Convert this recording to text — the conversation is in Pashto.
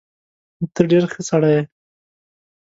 ته ډېر ښه سړی يې.